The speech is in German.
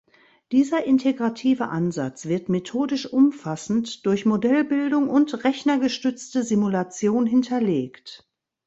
Dieser integrative Ansatz wird methodisch umfassend durch Modellbildung und rechnergestützte Simulation hinterlegt.